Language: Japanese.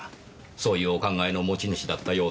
そういうお考えの持ち主だったようですよ。